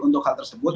untuk hal tersebut